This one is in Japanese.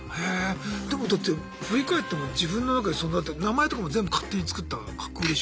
でもだって振り返っても自分の中にそんなだって名前とかも全部勝手に作った架空でしょ？